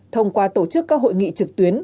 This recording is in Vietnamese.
thông qua tổ chức các hội nghị trực tuyến